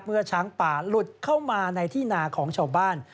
ช้างป่าหลุดเข้ามาในที่นาของชาวบ้าน